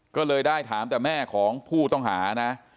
ก็เลยได้ถามแต่แม่ของผู้ต้องหานะ